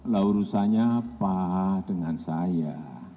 lah urusannya apa dengan saya